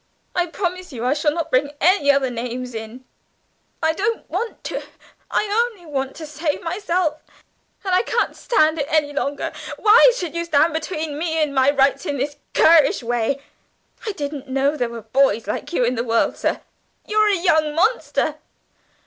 "I promise you I shall not bring any other names in ... I don't want to ... I only want to save myself and I can't stand it any longer. Why should you stand between me and my rights in this currish way? I didn't know there were boys like you in the world, sir; you're a young monster!"